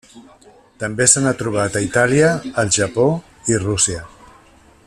També se n'ha trobat a Itàlia, el Japó i Rússia.